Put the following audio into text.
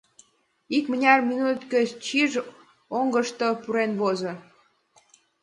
Икмыняр минут гыч чиж оҥгышко пурен возо.